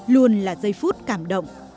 luôn là giây phút cảm động